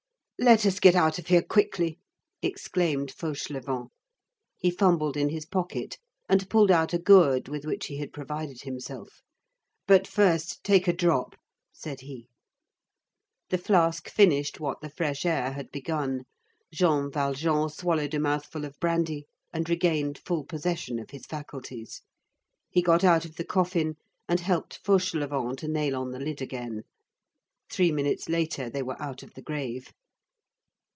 "Let us get out of here quickly," exclaimed Fauchelevent. He fumbled in his pocket, and pulled out a gourd with which he had provided himself. "But first, take a drop," said he. The flask finished what the fresh air had begun, Jean Valjean swallowed a mouthful of brandy, and regained full possession of his faculties. He got out of the coffin, and helped Fauchelevent to nail on the lid again. Three minutes later they were out of the grave.